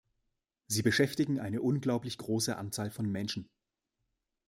Sie beschäftigen eine unglaublich große Anzahl von Menschen.